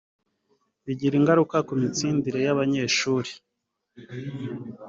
bigira ingaruka ku mitsindire y’abanyeshuri